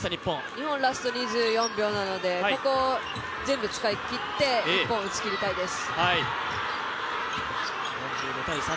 日本ラスト２４秒なのでここ全部使い切って１本打ちきりたいです。